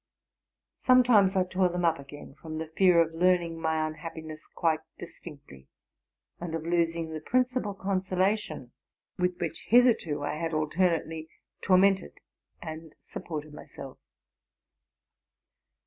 Some times I tore them up again, from the fear of learning my unhappiness quite distinctly, and of losing the principal con solation with which hitherto I had alternately tormented and supported myself.